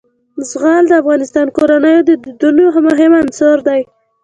زغال د افغان کورنیو د دودونو مهم عنصر دی.